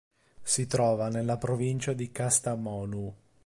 Si trova nella provincia di Kastamonu.